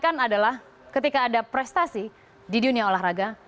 yang adalah ketika ada prestasi di dunia olahraga